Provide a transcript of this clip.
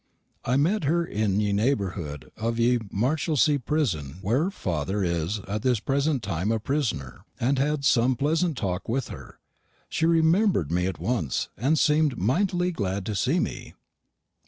I mett her in ye nayborood of ye Marchalsee prison wear her father is at this pressent time a prisener, and had som pleassant talke with her. She rememberr'd me at once, and seme'd mitily gladd to see me.